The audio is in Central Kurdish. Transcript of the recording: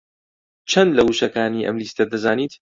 چەند لە وشەکانی ئەم لیستە دەزانیت؟